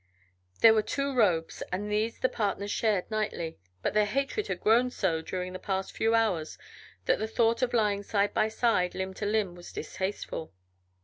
There were two robes and these the partners shared nightly, but their hatred had grown so during the past few hours that the thought of lying side by side, limb to limb, was distasteful.